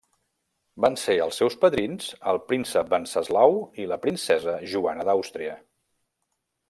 Van ser els seus padrins el príncep Wenceslau i la princesa Joana d'Àustria.